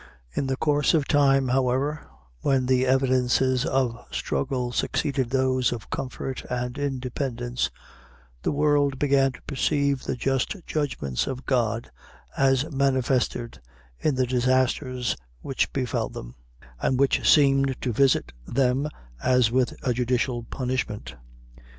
In the course of time, however, when the evidences of struggle succeeded those of comfort and independence, the world began to perceive the just judgments of God as manifested in the disasters which befel them, and which seemed to visit them as with a judicial punishment.